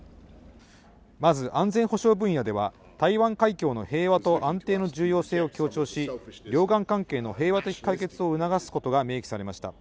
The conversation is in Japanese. まず安全保障分野では台湾海峡の平和と安定の重要性を強調し、両岸関係の平和的解決を促すことが明記されました。